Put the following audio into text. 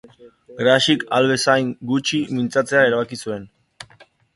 Graxik ahal bezain guti mintzatzea erabakia zuen.